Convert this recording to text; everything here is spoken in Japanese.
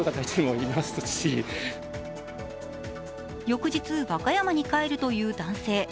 翌日、和歌山に帰るという男性。